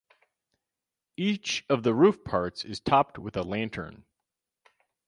Each of the roof parts is topped with a lantern.